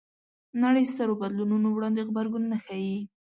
نړۍ سترو بدلونونو وړاندې غبرګون نه ښيي